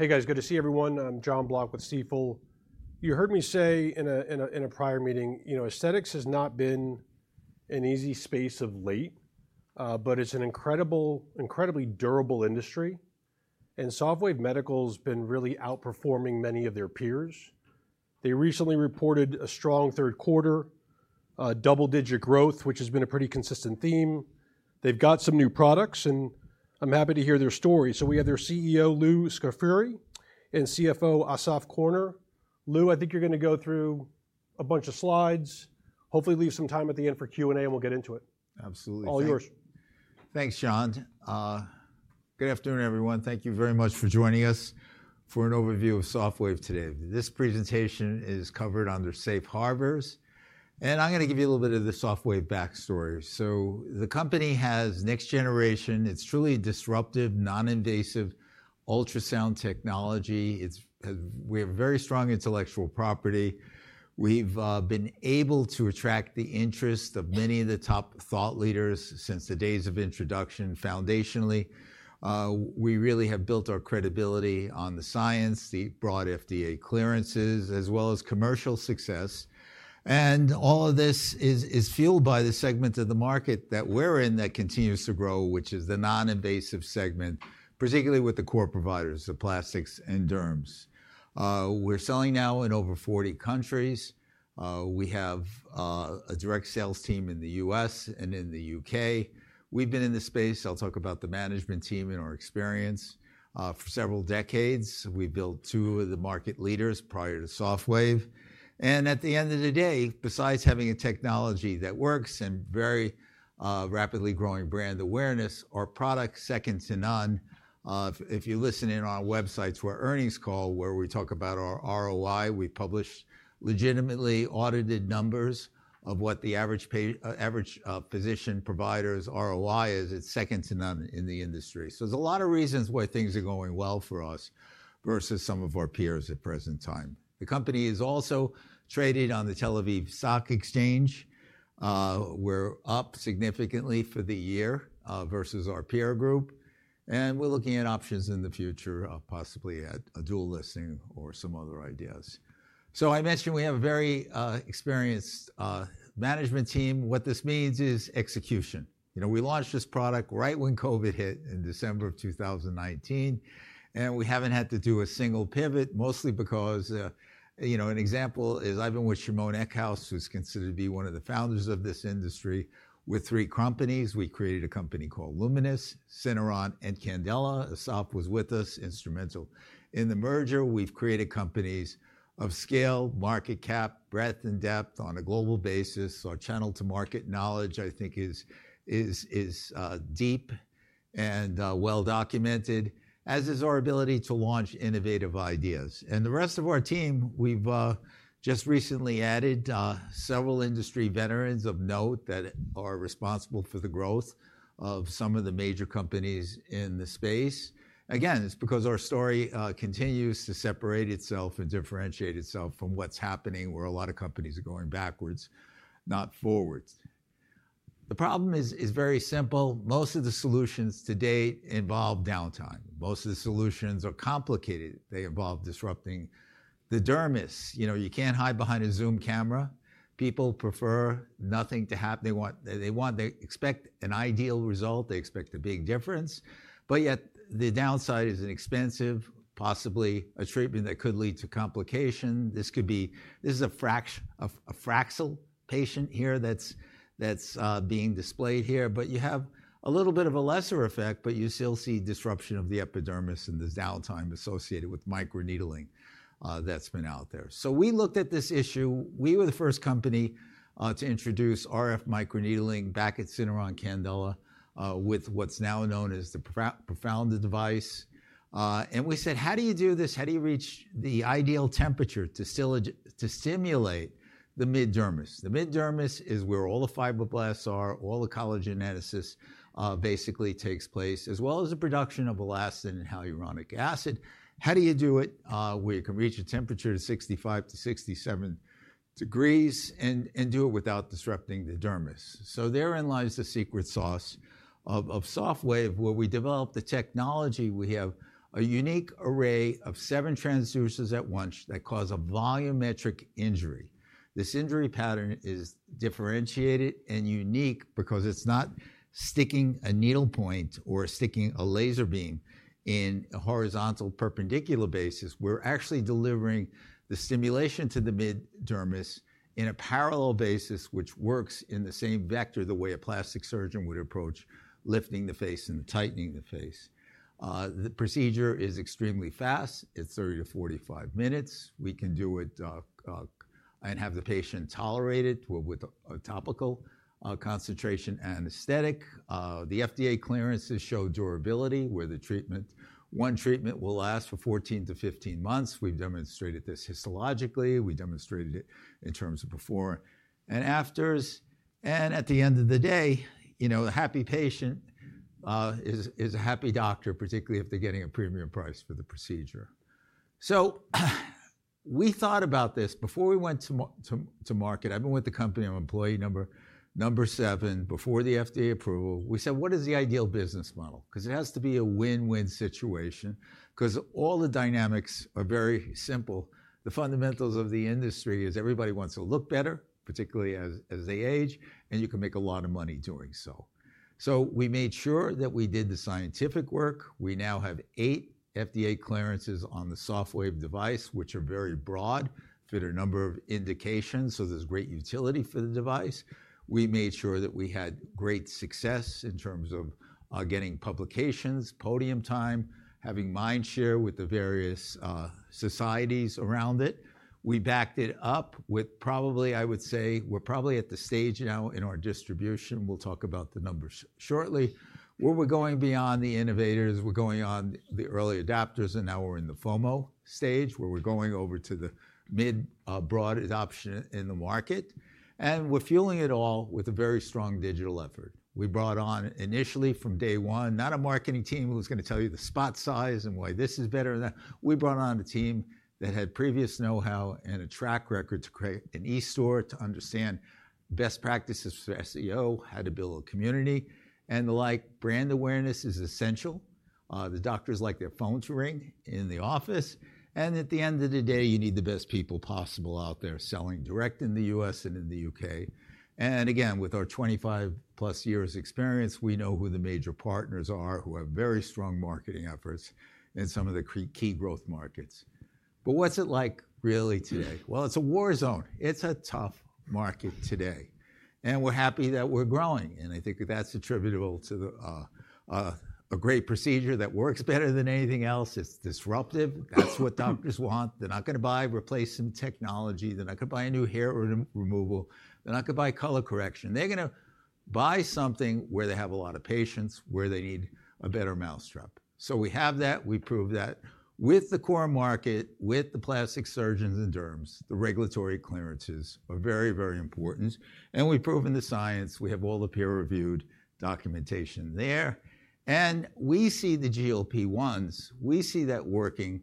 Hey guys, good to see everyone. I'm Jon Block with Stifel. You heard me say in a prior meeting, you know, aesthetics has not been an easy space of late, but it's an incredible, incredibly durable industry, and Sofwave Medical has been really outperforming many of their peers. They recently reported a strong third quarter, double-digit growth, which has been a pretty consistent theme. They've got some new products, and I'm happy to hear their story, so we have their CEO, Lou Scafuri, and CFO, Assaf Korner. Lou, I think you're going to go through a bunch of slides, hopefully leave some time at the end for Q&A, and we'll get into it. Absolutely. All yours. Thanks, Jon. Good afternoon, everyone. Thank you very much for joining us for an overview of Sofwave today. This presentation is covered under Safe Harbors, and I'm going to give you a little bit of the Sofwave backstory, so the company has next generation, it's truly disruptive, non-invasive ultrasound technology. We have very strong intellectual property. We've been able to attract the interest of many of the top thought leaders since the days of introduction, foundationally. We really have built our credibility on the science, the broad FDA clearances, as well as commercial success. And all of this is fueled by the segment of the market that we're in that continues to grow, which is the non-invasive segment, particularly with the core providers of plastics and derms. We're selling now in over 40 countries. We have a direct sales team in the U.S. and in the U.K. We've been in the space. I'll talk about the management team and our experience. For several decades, we built two of the market leaders prior to Sofwave, and at the end of the day, besides having a technology that works and very rapidly growing brand awareness, our product is second to none. If you listen in on our website, it's our earnings call where we talk about our ROI. We publish legitimately audited numbers of what the average physician provider's ROI is. It's second to none in the industry. So there's a lot of reasons why things are going well for us versus some of our peers at present time. The company is also traded on the Tel Aviv Stock Exchange. We're up significantly for the year versus our peer group, and we're looking at options in the future, possibly at a dual listing or some other ideas. So I mentioned we have a very experienced management team. What this means is execution. You know, we launched this product right when COVID hit in December of 2019, and we haven't had to do a single pivot, mostly because, you know, an example is I've been with Shimon Eckhouse, who's considered to be one of the founders of this industry. With three companies, we created a company called Lumenis, Syneron, and Candela. Assaf was with us, instrumental in the merger. We've created companies of scale, market cap, breadth, and depth on a global basis. Our channel to market knowledge, I think, is deep and well documented, as is our ability to launch innovative ideas. And the rest of our team, we've just recently added several industry veterans of note that are responsible for the growth of some of the major companies in the space. Again, it's because our story continues to separate itself and differentiate itself from what's happening, where a lot of companies are going backwards, not forwards. The problem is very simple. Most of the solutions to date involve downtime. Most of the solutions are complicated. They involve disrupting the dermis. You know, you can't hide behind a Zoom camera. People prefer nothing to happen. They want, they expect an ideal result. They expect a big difference. But yet the downside is an expensive, possibly a treatment that could lead to complication. This could be, this is a Fraxel patient here that's being displayed here. But you have a little bit of a lesser effect, but you still see disruption of the epidermis and the downtime associated with microneedling that's been out there. So we looked at this issue. We were the first company to introduce RF microneedling back at Syneron Candela, with what's now known as the Profound device, and we said, how do you do this? How do you reach the ideal temperature to stimulate the mid dermis? The mid dermis is where all the fibroblasts are, all the collagenesis basically takes place, as well as the production of elastin and hyaluronic acid. How do you do it where you can reach a temperature of 65-67 degrees and do it without disrupting the dermis, so therein lies the secret sauce of Sofwave, where we develop the technology. We have a unique array of seven transducers at once that cause a volumetric injury. This injury pattern is differentiated and unique because it's not sticking a needle point or sticking a laser beam in a horizontal perpendicular basis. We're actually delivering the stimulation to the mid-dermis in a parallel basis, which works in the same vector the way a plastic surgeon would approach lifting the face and tightening the face. The procedure is extremely fast. It's 30-45 minutes. We can do it and have the patient tolerate it with a topical concentration anesthetic. The FDA clearances show durability where the treatment, one treatment will last for 14-15 months. We've demonstrated this histologically. We demonstrated it in terms of before and afters, and at the end of the day, you know, a happy patient is a happy doctor, particularly if they're getting a premium price for the procedure, so we thought about this before we went to market. I've been with the company. I'm employee number seven before the FDA approval. We said, what is the ideal business model? Because it has to be a win-win situation. Because all the dynamics are very simple. The fundamentals of the industry is everybody wants to look better, particularly as they age, and you can make a lot of money doing so. So we made sure that we did the scientific work. We now have eight FDA clearances on the Sofwave device, which are very broad, fit a number of indications. So there's great utility for the device. We made sure that we had great success in terms of getting publications, podium time, having mind share with the various societies around it. We backed it up with probably, I would say, we're probably at the stage now in our distribution. We'll talk about the numbers shortly. Where we're going beyond the innovators, we're going on the early adopters, and now we're in the FOMO stage where we're going over to the mid broad adoption in the market. And we're fueling it all with a very strong digital effort. We brought on initially from day one, not a marketing team who was going to tell you the spot size and why this is better than that. We brought on a team that had previous know-how and a track record to create an e-store to understand best practices for SEO, how to build a community, and the like. Brand awareness is essential. The doctors like their phones to ring in the office. And at the end of the day, you need the best people possible out there selling direct in the U.S. and in the U.K. Again, with our 25+ years' experience, we know who the major partners are who have very strong marketing efforts in some of the key growth markets. But what's it like really today? It's a war zone. It's a tough market today. We're happy that we're growing. I think that that's attributable to a great procedure that works better than anything else. It's disruptive. That's what doctors want. They're not going to buy replacement technology. They're not going to buy a new hair removal. They're not going to buy color correction. They're going to buy something where they have a lot of patients where they need a better modality. So we have that. We prove that with the core market, with the plastic surgeons and derms, the regulatory clearances are very, very important. We've proven the science. We have all the peer-reviewed documentation there. We see the GLP-1s. We see that working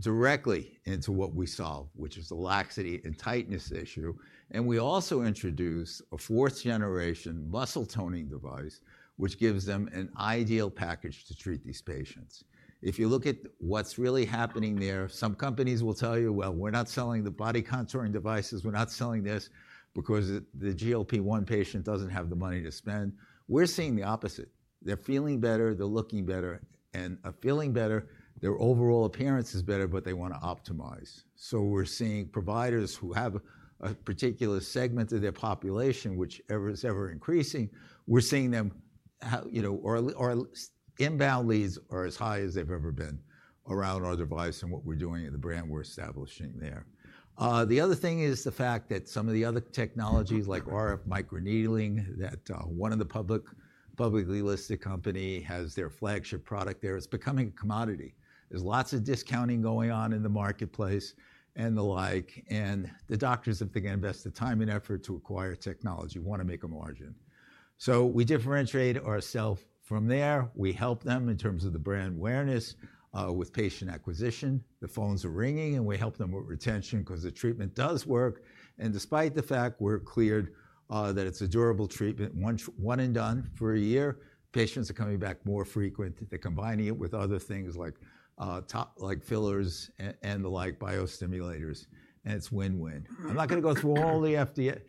directly into what we solve, which is the laxity and tightness issue. We also introduced a 4th-gen muscle toning device, which gives them an ideal package to treat these patients. If you look at what's really happening there, some companies will tell you, well, we're not selling the body contouring devices. We're not selling this because the GLP-1 patient doesn't have the money to spend. We're seeing the opposite. They're feeling better. They're looking better. And feeling better, their overall appearance is better, but they want to optimize. So we're seeing providers who have a particular segment of their population, which is ever increasing. We're seeing them, you know, our inbound leads are as high as they've ever been around our device and what we're doing and the brand we're establishing there. The other thing is the fact that some of the other technologies like RF microneedling that one of the publicly listed companies has their flagship product there, it's becoming a commodity. There's lots of discounting going on in the marketplace and the like, and the doctors, if they're going to invest the time and effort to acquire technology, want to make a margin, so we differentiate ourselves from there. We help them in terms of the brand awareness with patient acquisition. The phones are ringing, and we help them with retention because the treatment does work, and despite the fact we're cleared that it's a durable treatment, one and done for a year, patients are coming back more frequent. They're combining it with other things like fillers and the like, biostimulators, and it's win-win. I'm not going to go through all the FDA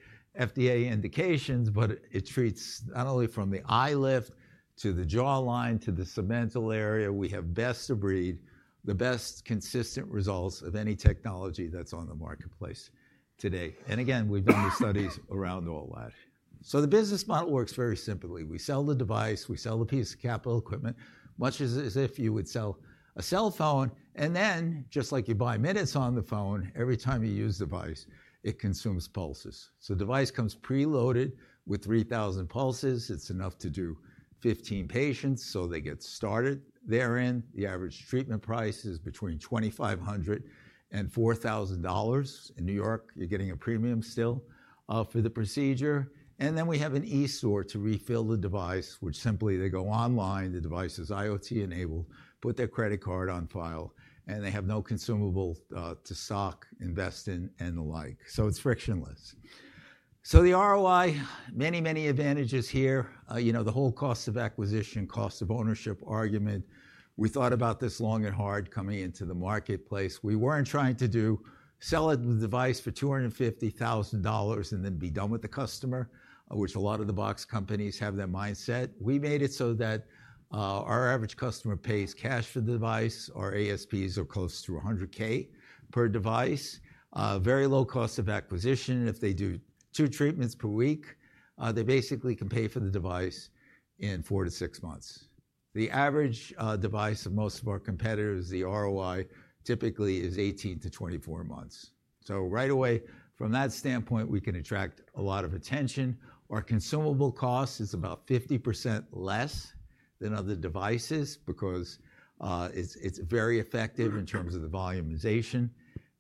indications, but it treats not only from the eye lift to the jawline to the submental area. We have best of breed, the best consistent results of any technology that's on the marketplace today. And again, we've done the studies around all that. So the business model works very simply. We sell the device. We sell the piece of capital equipment, much as if you would sell a cell phone. And then just like you buy minutes on the phone, every time you use the device, it consumes pulses. So the device comes preloaded with 3,000 pulses. It's enough to do 15 patients. So they get started therein. The average treatment price is between $2,500 and $4,000. In New York, you're getting a premium still for the procedure. And then we have an e-store to refill the device, which simply they go online. The device is IoT-enabled, put their credit card on file, and they have no consumable to stock, invest in, and the like. So it's frictionless. So the ROI, many, many advantages here. You know, the whole cost of acquisition, cost of ownership argument. We thought about this long and hard coming into the marketplace. We weren't trying to sell the device for $250,000 and then be done with the customer, which a lot of the box companies have that mindset. We made it so that our average customer pays cash for the device. Our ASPs are close to $100,000 per device. Very low cost of acquisition. If they do two treatments per week, they basically can pay for the device in four to six months. The average device of most of our competitors, the ROI typically is 18-24 months. So right away from that standpoint, we can attract a lot of attention. Our consumable cost is about 50% less than other devices because it's very effective in terms of the volumization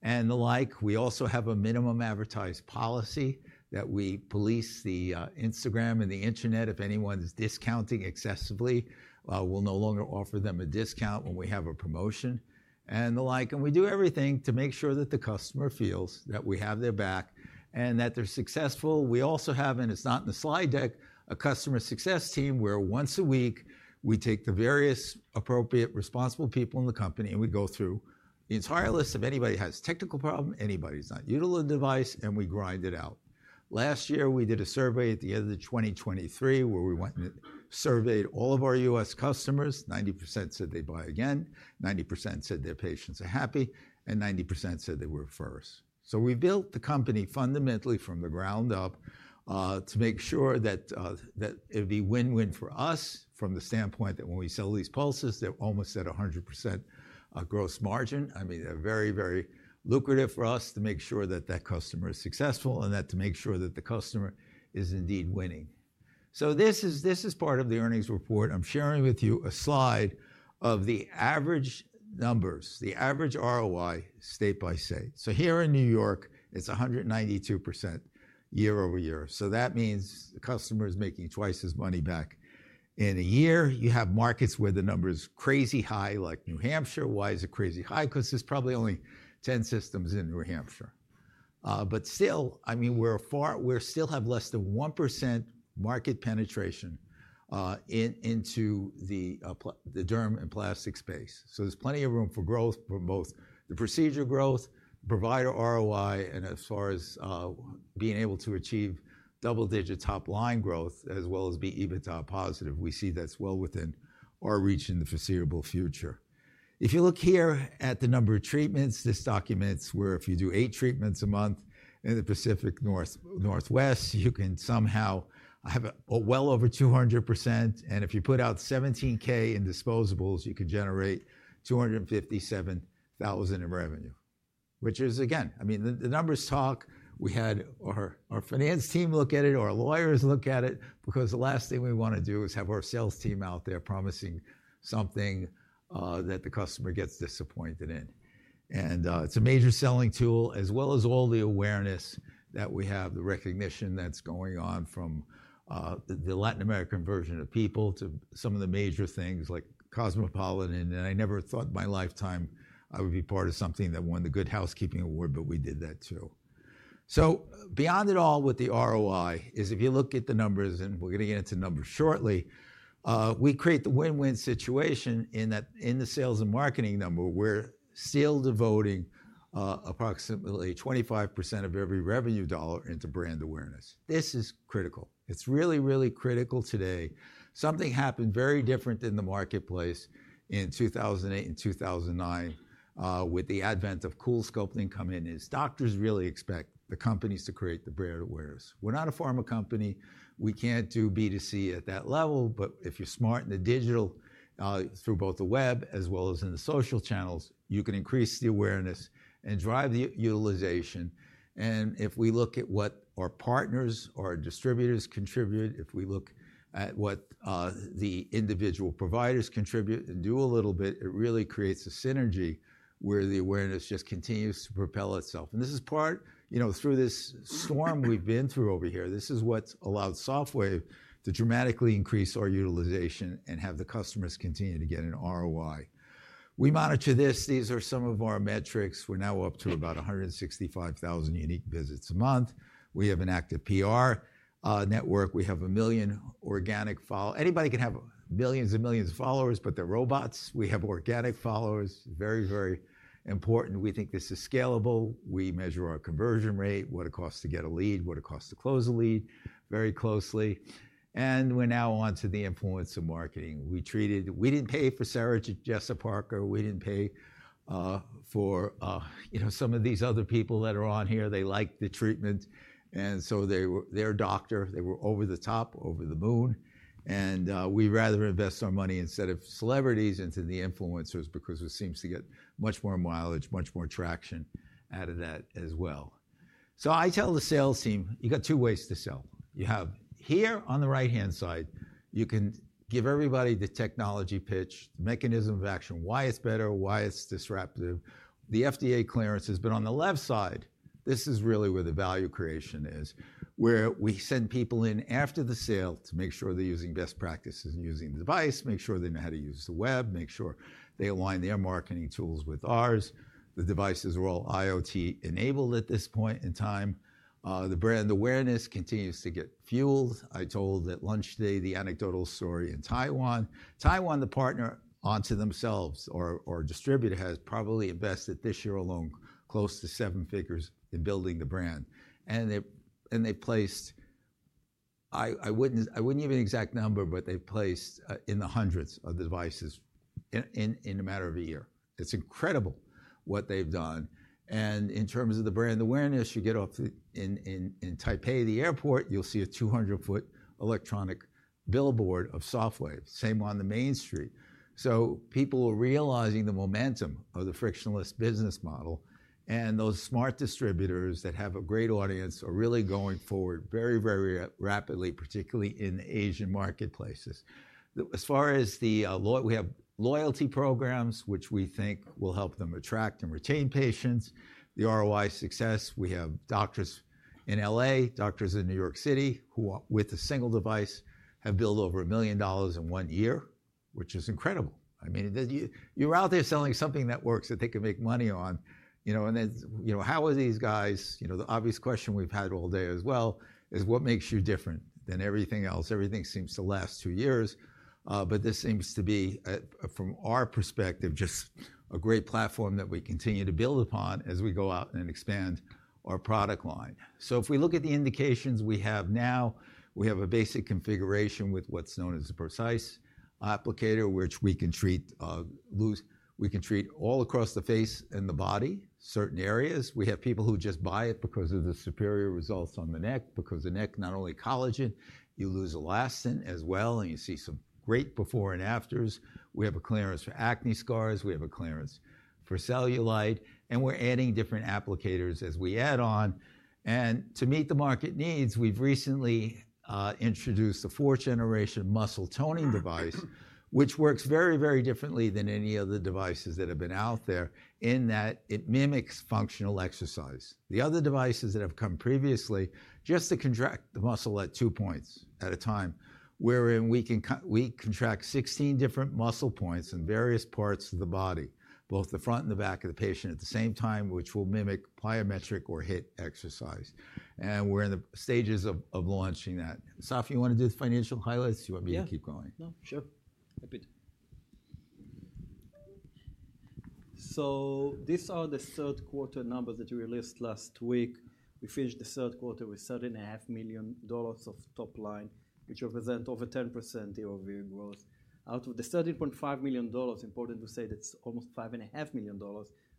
and the like. We also have a minimum advertised policy that we police the Instagram and the internet. If anyone's discounting excessively, we'll no longer offer them a discount when we have a promotion and the like. And we do everything to make sure that the customer feels that we have their back and that they're successful. We also have, and it's not in the slide deck, a customer success team where once a week we take the various appropriate responsible people in the company and we go through the entire list. If anybody has a technical problem or anybody's not utilizing the device, and we grind it out. Last year, we did a survey at the end of 2023 where we went and surveyed all of our U.S. customers. 90% said they'd buy again. 90% said their patients are happy, and 90% said they were first. So we built the company fundamentally from the ground up to make sure that it'd be win-win for us from the standpoint that when we sell these pulses, they're almost at 100% gross margin. I mean, they're very, very lucrative for us to make sure that that customer is successful and that, to make sure that the customer is indeed winning. So this is part of the earnings report. I'm sharing with you a slide of the average numbers, the average ROI state by state. So here in New York, it's 192% year-over-year. So that means the customer is making twice as much money back in a year. You have markets where the number is crazy high, like New Hampshire. Why is it crazy high? Because there's probably only 10 systems in New Hampshire. But still, I mean, we still have less than 1% market penetration into the derm and plastic space. So there's plenty of room for growth for both the procedure growth, provider ROI, and as far as being able to achieve double-digit top-line growth as well as be EBITDA positive. We see that's well within our reach in the foreseeable future. If you look here at the number of treatments, this documents where if you do eight treatments a month in the Pacific Northwest, you can somehow have well over 200%. And if you put out $17,000 in disposables, you could generate $257,000 in revenue, which is, again, I mean, the numbers talk. We had our finance team look at it, our lawyers look at it, because the last thing we want to do is have our sales team out there promising something that the customer gets disappointed in. And it's a major selling tool, as well as all the awareness that we have, the recognition that's going on from the Latin American version of People to some of the major things like Cosmopolitan, and I never thought in my lifetime I would be part of something that won the Good Housekeeping Award, but we did that too. So beyond it all with the ROI is if you look at the numbers, and we're going to get into numbers shortly, we create the win-win situation in the sales and marketing number. We're still devoting approximately 25% of every revenue dollar into brand awareness. This is critical. It's really, really critical today. Something happened very different in the marketplace in 2008 and 2009 with the advent of CoolSculpting coming in. Doctors really expect the companies to create the brand awareness. We're not a pharma company. We can't do B2C at that level, but if you're smart in the digital through both the web as well as in the social channels, you can increase the awareness and drive the utilization, and if we look at what our partners, our distributors contribute, if we look at what the individual providers contribute and do a little bit, it really creates a synergy where the awareness just continues to propel itself. This is part, you know, through this storm we've been through over here. This is what's allowed Sofwave to dramatically increase our utilization and have the customers continue to get an ROI. We monitor this. These are some of our metrics. We're now up to about 165,000 unique visits a month. We have an active PR network. We have a million organic followers. Anybody can have millions and millions of followers, but they're robots. We have organic followers. Very, very important. We think this is scalable. We measure our conversion rate, what it costs to get a lead, what it costs to close a lead very closely. We're now on to the influencer marketing. We didn't pay for Sarah Jessica Parker. We didn't pay for, you know, some of these other people that are on here. They like the treatment. So they're advocates. They were over the top, over the moon, and we'd rather invest our money instead of celebrities into the influencers because it seems to get much more mileage, much more traction out of that as well, so I tell the sales team, you got two ways to sell. You have here on the right-hand side, you can give everybody the technology pitch, the mechanism of action, why it's better, why it's disruptive, the FDA clearances, but on the left side, this is really where the value creation is, where we send people in after the sale to make sure they're using best practices and using the device, make sure they know how to use the web, make sure they align their marketing tools with ours. The devices are all IoT-enabled at this point in time. The brand awareness continues to get fueled. I told at lunch today the anecdotal story in Taiwan. Taiwan, the partner onto themselves or distributor has probably invested this year alone close to seven figures in building the brand. They placed. I wouldn't even exact number, but they placed in the hundreds of devices in a matter of a year. It's incredible what they've done. In terms of the brand awareness, you get off in Taipei, the airport. You'll see a 200 ft electronic billboard of Sofwave, same on the main street. People are realizing the momentum of the frictionless business model. Those smart distributors that have a great audience are really going forward very, very rapidly, particularly in Asian marketplaces. As far as the, we have loyalty programs, which we think will help them attract and retain patients. The ROI success, we have doctors in LA, doctors in New York City who, with a single device, have billed over $1 million in one year, which is incredible. I mean, you're out there selling something that works that they can make money on. You know, and then, you know, how are these guys? You know, the obvious question we've had all day as well is what makes you different than everything else? Everything seems to last two years. But this seems to be, from our perspective, just a great platform that we continue to build upon as we go out and expand our product line. So if we look at the indications we have now, we have a basic configuration with what's known as a Precise applicator, which we can treat all across the face and the body, certain areas. We have people who just buy it because of the superior results on the neck, because the neck, not only collagen, you lose elastin as well, and you see some great before and afters. We have a clearance for acne scars. We have a clearance for cellulite, and we're adding different applicators as we add on, and to meet the market needs, we've recently introduced a 4th-gen muscle toning device, which works very, very differently than any of the devices that have been out there in that it mimics functional exercise. The other devices that have come previously just to contract the muscle at two points at a time, wherein we can contract 16 different muscle points in various parts of the body, both the front and the back of the patient at the same time, which will mimic plyometric or HIIT exercise. And we're in the stages of launching that. Assaf, you want to do the financial highlights? You want me to keep going? Yeah. No, sure. So these are the third-quarter numbers that we released last week. We finished the third quarter with $13.5 million of top line, which represents over 10% year-over-year growth. Out of the $13.5 million, important to say that's almost $5.5 million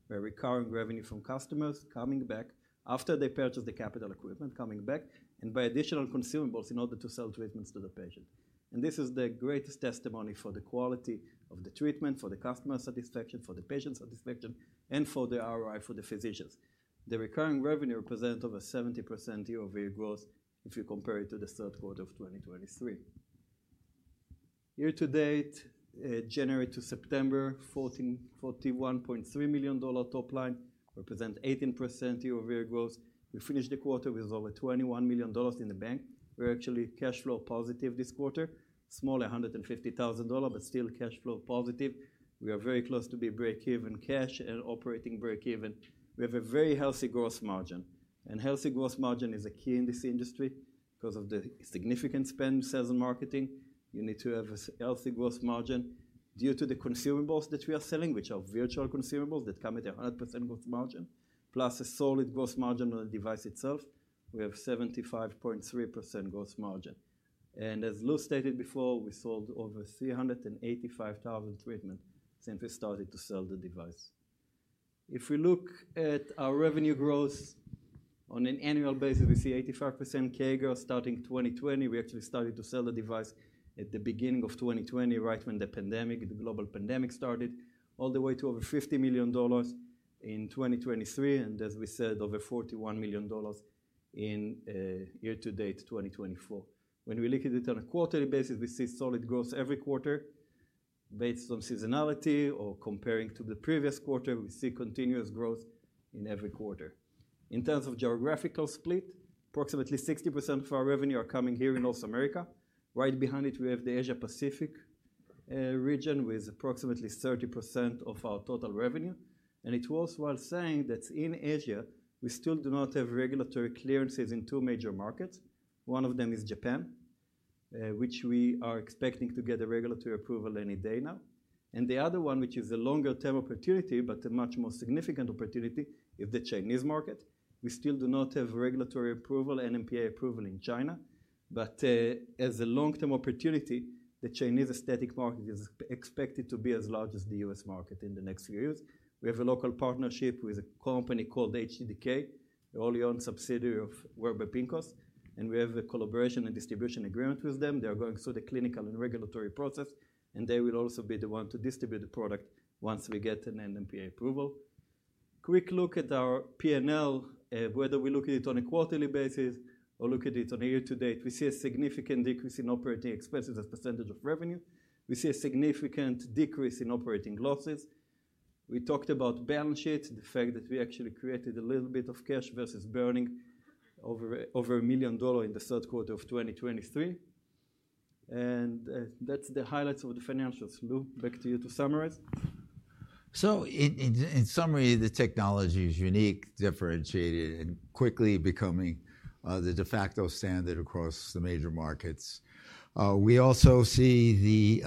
where recurring revenue from customers coming back after they purchase the capital equipment coming back and by additional consumables in order to sell treatments to the patient. And this is the greatest testimony for the quality of the treatment, for the customer satisfaction, for the patient satisfaction, and for the ROI for the physicians. The recurring revenue represents over 70% year-over-year growth if you compare it to the third quarter of 2023. Year-to-date, January to September, $41.3 million top line represents 18% year-over-year growth. We finished the quarter with over $21 million in the bank. We're actually cash flow positive this quarter, small $150,000, but still cash flow positive. We are very close to be break-even cash and operating break-even. We have a very healthy gross margin, and healthy gross margin is a key in this industry because of the significant spend, sales, and marketing. You need to have a healthy gross margin due to the consumables that we are selling, which are virtual consumables that come at a 100% gross margin, plus a solid gross margin on the device itself. We have 75.3% gross margin, and as Lou stated before, we sold over 385,000 treatments since we started to sell the device. If we look at our revenue growth on an annual basis, we see 85% CAGR starting 2020. We actually started to sell the device at the beginning of 2020, right when the pandemic, the global pandemic started, all the way to over $50 million in 2023, and as we said, over $41 million in year-to-date 2024. When we look at it on a quarterly basis, we see solid growth every quarter based on seasonality or comparing to the previous quarter, we see continuous growth in every quarter. In terms of geographical split, approximately 60% of our revenue are coming here in North America. Right behind it, we have the Asia-Pacific region with approximately 30% of our total revenue. It was worth saying that in Asia, we still do not have regulatory clearances in two major markets. One of them is Japan, which we are expecting to get a regulatory approval any day now. The other one, which is a longer-term opportunity, but a much more significant opportunity, is the Chinese market. We still do not have regulatory approval, NMPA approval in China. But as a long-term opportunity, the Chinese aesthetic market is expected to be as large as the U.S. market in the next few years. We have a local partnership with a company called HTDK, the wholly-owned subsidiary of Warburg Pincus. And we have a collaboration and distribution agreement with them. They are going through the clinical and regulatory process, and they will also be the one to distribute the product once we get an NMPA approval. Quick look at our P&L, whether we look at it on a quarterly basis or look at it on a year-to-date, we see a significant decrease in operating expenses as percentage of revenue. We see a significant decrease in operating losses. We talked about balance sheets, the fact that we actually created a little bit of cash versus burning over $1 million in the third quarter of 2023. That's the highlights of the financials. Lou, back to you to summarize. In summary, the technology is unique, differentiated, and quickly becoming the de facto standard across the major markets. We also see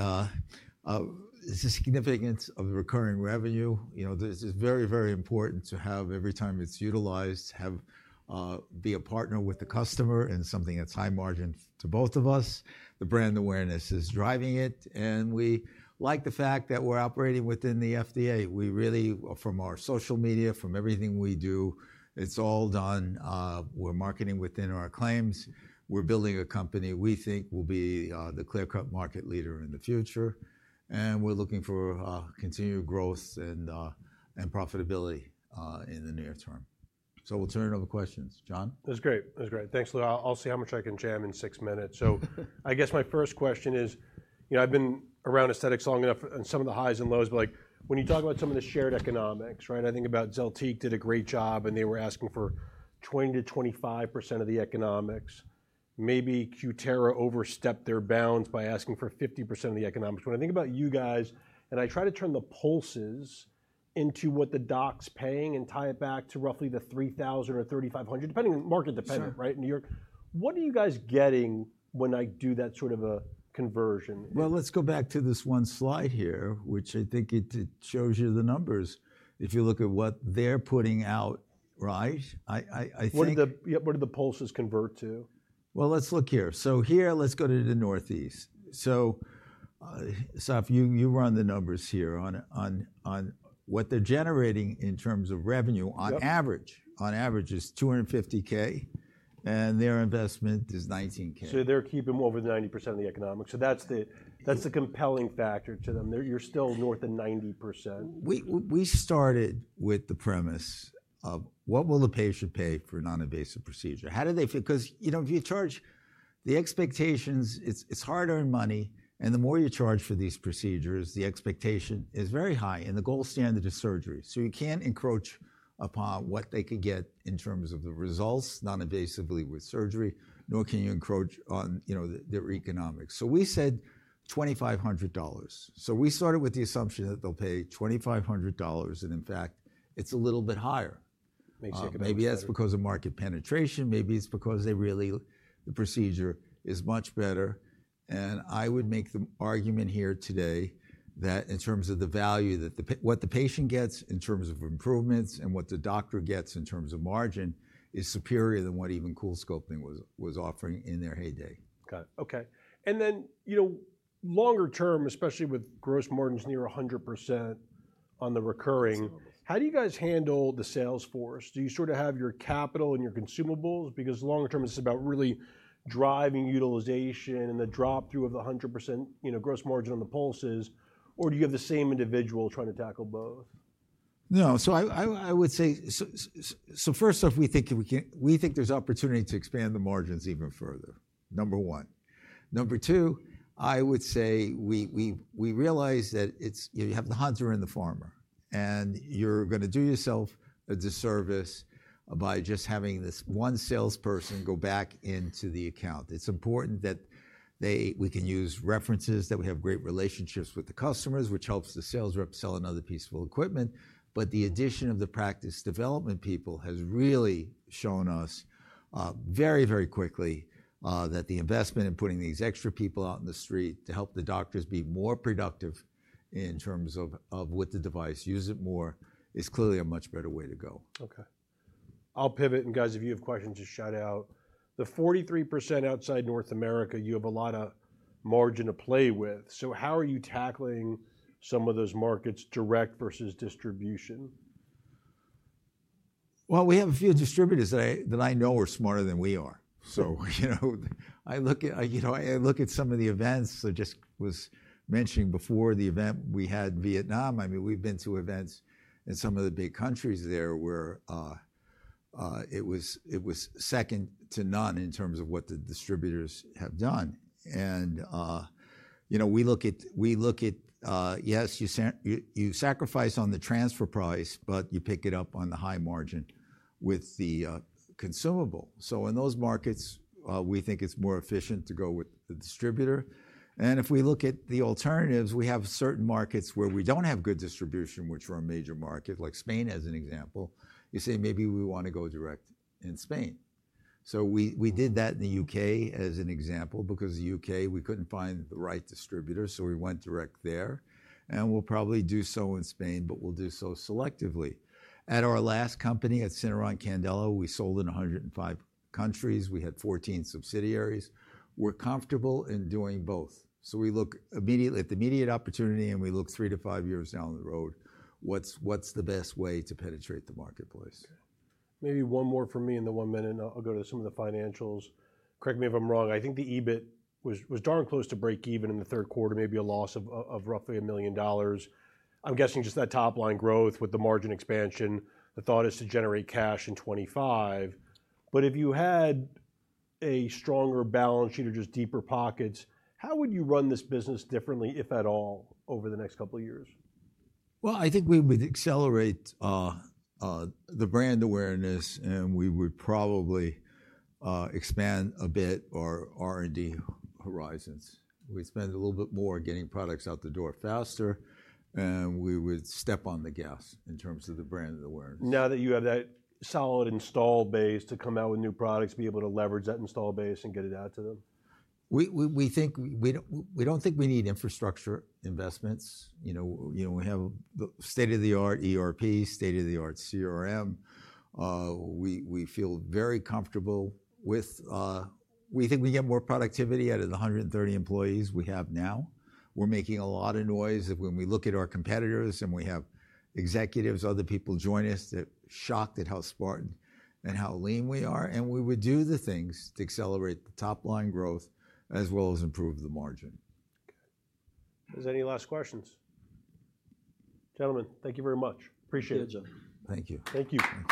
the significance of the recurring revenue. You know, this is very, very important to have every time it's utilized, be a partner with the customer and something that's high margin to both of us. The brand awareness is driving it. We like the fact that we're operating within the FDA. We really, from our social media, from everything we do, it's all done. We're marketing within our claims. We're building a company we think will be the clear-cut market leader in the future. We're looking for continued growth and profitability in the near term. So we'll turn it over to questions. Jon? That's great. That's great. Thanks, Lou. I'll see how much I can jam in six minutes. So I guess my first question is, you know, I've been around aesthetics long enough and some of the highs and lows, but like when you talk about some of the shared economics, right, I think about Zeltiq did a great job and they were asking for 20%-25% of the economics. Maybe Cutera overstepped their bounds by asking for 50% of the economics. When I think about you guys and I try to turn the pulses into what the doc's paying and tie it back to roughly the $3,000-$3,500, depending on market dependent, right, in New York. What are you guys getting when I do that sort of a conversion? Let's go back to this one slide here, which I think it shows you the numbers. If you look at what they're putting out, right, I think. What do the pulses convert to? Let's look here. So here, let's go to the Northeast. Assaf, you run the numbers here on what they're generating in terms of revenue on average. On average is $250K and their investment is $19K. So they're keeping more than 90% of the economics, so that's the compelling factor to them. You're still north of 90%. We started with the premise of what will the patient pay for a non-invasive procedure? How do they feel? Because, you know, if you charge the expectations, it's hard-earned money, and the more you charge for these procedures, the expectation is very high and the gold standard is surgery. You can't encroach upon what they could get in terms of the results non-invasively with surgery, nor can you encroach on, you know, their economics. We said $2,500. We started with the assumption that they'll pay $2,500 and in fact, it's a little bit higher. Maybe that's because of market penetration. Maybe it's because they really, the procedure is much better. I would make the argument here today that in terms of the value, that what the patient gets in terms of improvements and what the doctor gets in terms of margin is superior than what even CoolSculpting was offering in their heyday. Got it. Okay. And then, you know, longer term, especially with gross margins near 100% on the recurring, how do you guys handle the sales force? Do you sort of have your capital and your consumables? Because longer term is about really driving utilization and the drop through of the 100%, you know, gross margin on the pulses, or do you have the same individual trying to tackle both? No. So I would say, so first off, we think there's opportunity to expand the margins even further. Number one. Number two, I would say we realize that you have the hunter and the farmer, and you're going to do yourself a disservice by just having this one salesperson go back into the account. It's important that we can use references, that we have great relationships with the customers, which helps the sales rep sell another piece of equipment. But the addition of the practice development people has really shown us very, very quickly that the investment in putting these extra people out in the street to help the doctors be more productive in terms of with the device, use it more, is clearly a much better way to go. Okay. I'll pivot. And guys, if you have questions, just shout out. The 43% outside North America, you have a lot of margin to play with. So how are you tackling some of those markets, direct versus distribution? Well, we have a few distributors that I know are smarter than we are. So, you know, I look at, you know, I look at some of the events. I just was mentioning before the event we had Vietnam. I mean, we've been to events in some of the big countries there where it was second to none in terms of what the distributors have done. And, you know, we look at, yes, you sacrifice on the transfer price, but you pick it up on the high margin with the consumable. So in those markets, we think it's more efficient to go with the distributor. And if we look at the alternatives, we have certain markets where we don't have good distribution, which are a major market, like Spain as an example. You say maybe we want to go direct in Spain. So we did that in the UK as an example because the UK, we couldn't find the right distributor, so we went direct there. And we'll probably do so in Spain, but we'll do so selectively. At our last company at Syneron Candela, we sold in 105 countries. We had 14 subsidiaries. We're comfortable in doing both. So we look immediately at the immediate opportunity and we look three to five years down the road, what's the best way to penetrate the marketplace? Maybe one more for me in the one minute. I'll go to some of the financials. Correct me if I'm wrong. I think the EBIT was darn close to break even in the third quarter, maybe a loss of roughly $1 million. I'm guessing just that top line growth with the margin expansion, the thought is to generate cash in 2025. But if you had a stronger balance sheet or just deeper pockets, how would you run this business differently, if at all, over the next couple of years? I think we would accelerate the brand awareness and we would probably expand a bit our R&D horizons. We spend a little bit more getting products out the door faster, and we would step on the gas in terms of the brand awareness. Now that you have that solid install base to come out with new products, be able to leverage that install base and get it out to them? We think we don't need infrastructure investments. You know, we have the state-of-the-art ERP, state-of-the-art CRM. We feel very comfortable with. We think we get more productivity out of the 130 employees we have now. We're making a lot of noise. When we look at our competitors and we have executives, other people join us that are shocked at how smart and how lean we are. And we would do the things to accelerate the top line growth as well as improve the margin. Okay. Is there any last questions? Gentlemen, thank you very much. Appreciate it. Thank you. Thank you.